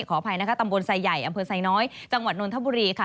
ขออภัยนะคะตำบลไซใหญ่อำเภอไซน้อยจังหวัดนนทบุรีค่ะ